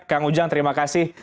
kang ujang terima kasih